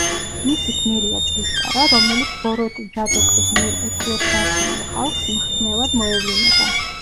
მისი გმირია ცისკარა, რომელიც ბოროტი ჯადოქრის მიერ უწყლოდ დარჩენილ ხალხს მხსნელად მოევლინება.